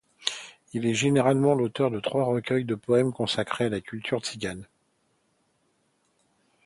Il est également l'auteur de trois recueils de poèmes consacrés à la culture tzigane.